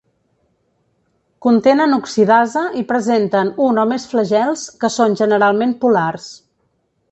Contenen oxidasa i presenten un o més flagels, que són generalment polars.